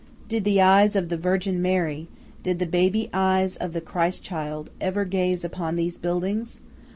Did the eyes of the Virgin Mary, did the baby eyes of the Christ Child, ever gaze upon these buildings?